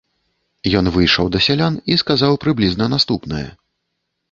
Ён выйшаў да сялян і сказаў прыблізна наступнае.